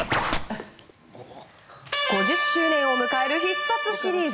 ５０周年を迎える「必殺」シリーズ。